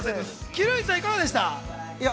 鬼龍院さん、いかがでした？